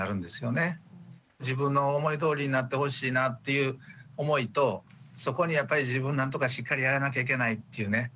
自分の思いどおりになってほしいなぁっていう思いとそこにやっぱり自分なんとかしっかりやらなきゃいけないっていうね